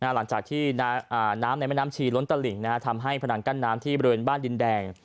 หลังจากที่น้ำในแม่น้ำชีล้นตลิ่งทำให้พนังกั้นน้ำที่บริเวณบ้านดินแดง